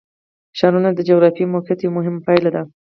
ښارونه د جغرافیایي موقیعت یوه مهمه پایله ده.